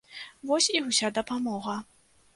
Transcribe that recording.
Вось і ўся дапамога.